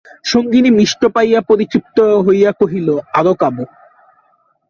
সঙ্গিনী মিষ্ট পাইয়া পরিতৃপ্ত হইয়া কহিল, আরও কাব।